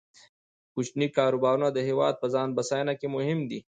کوچني کاروبارونه د هیواد په ځان بسیاینه کې مهم دي.